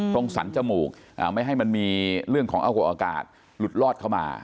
สรรจมูกไม่ให้มันมีเรื่องของอาโกอากาศหลุดลอดเข้ามา